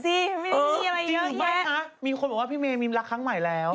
จริงไหมคะมีคนบอกว่าพี่เมมีมรักครั้งใหม่แล้ว